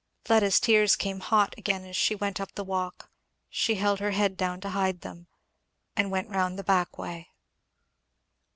Fleda's tears came hot again as she went up the walk; she held her head down to hide them and went round the back way.